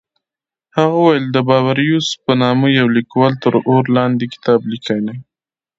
هغه وویل د باربیوس په نامه یوه لیکوال تر اور لاندې کتاب لیکلی.